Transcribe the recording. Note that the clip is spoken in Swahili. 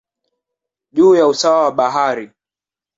juu ya usawa wa bahari.